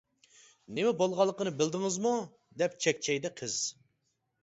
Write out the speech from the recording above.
نېمە بولغانلىقىنى بىلمىدىڭىزمۇ؟ دەپ چەكچەيدى قىز.